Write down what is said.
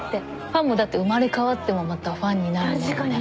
ファンもだって生まれ変わってもまたファンになるんだもんね。